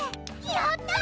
やった！